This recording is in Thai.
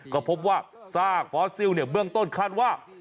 ก็พบว่าซากฟอสซิลเบื้องต้นคาดว่า